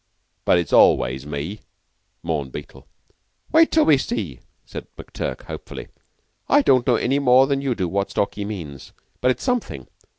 "But it's always me," mourned Beetle. "Wait till we see," said McTurk, hopefully. "I don't know any more than you do what Stalky means, but it's something.